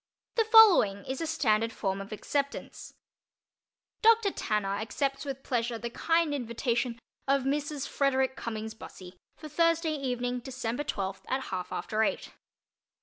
The following is a standard form of acceptance: Dr. Tanner accepts with pleasure the kind invitation of Mrs. Frederick Cummings Bussey for Thursday evening, December twelfth, at half after eight.